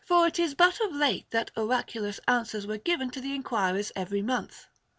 it is but of late that oraculous answers were given to the enquirers every month.